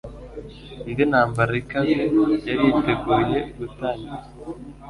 Indi ntambara ikaze yari yiteguye gutangira.